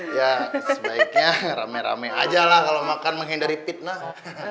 ya sebaiknya rame rame aja lah kalau makan menghindari fitnah